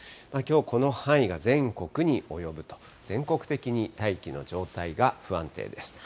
強固の範囲が全国に及ぶと、全国的に大気の状態が不安定です。